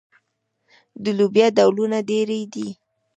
د لوبیا ډولونه ډیر دي.